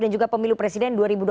dan juga pemilu presiden